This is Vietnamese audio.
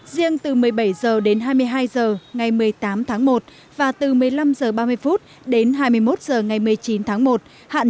riêng từ một mươi bảy giờ đến hai mươi hai giờ ngày một mươi tám tháng một và từ một mươi năm giờ ba mươi phút đến hai mươi một giờ ngày một mươi chín tháng một hạn